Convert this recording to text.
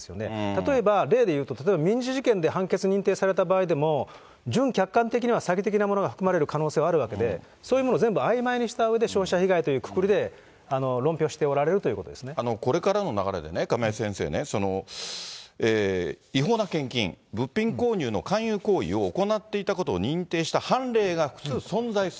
例えば例でいうと、例えば民事事件で判決認定された場合でも、準客観的には詐欺的なものが含まれる可能性はあるわけで、そういうものを全部あいまいにしたうえで、消費者被害というくくりで論これからの流れでね、亀井先生ね、違法な献金、物品購入の勧誘行為を行っていたことを認定した判例が複数存在す